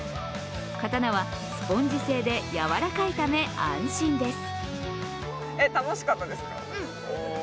刀はスポンジ製でやわらかいため安心です。